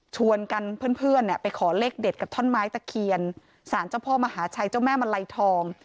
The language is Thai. ชวนกันเพื่อนไปขอเลขเด็ดกับท่อนไม้ตะเคียนสารเจ้าพ่อมหาชัยเจ้าแม่มาลัยทอง